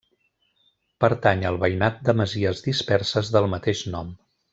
Pertany al veïnat de masies disperses del mateix nom.